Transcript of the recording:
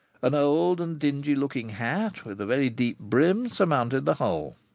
An old and dingy looking hat, with a very deep brim, surmounted the whole.